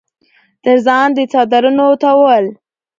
تر ځان د څادرنو تاوول